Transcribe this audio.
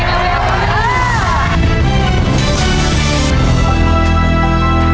ไปไปเออ